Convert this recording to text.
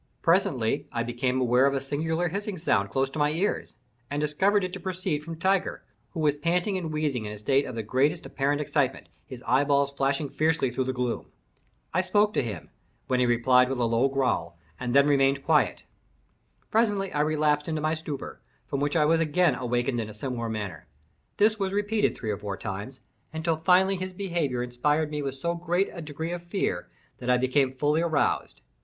Presently I became aware of a singular hissing sound close at my ears, and discovered it to proceed from Tiger, who was panting and wheezing in a state of the greatest apparent excitement, his eyeballs flashing fiercely through the gloom. I spoke to him, when he replied with a low growl, and then remained quiet. Presently I relapsed into my stupor, from which I was again awakened in a similar manner. This was repeated three or four times, until finally his behaviour inspired me with so great a degree of fear, that I became fully aroused.